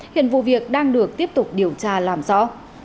hiện vụ việc đang được tiếp tục điều tra làm rõ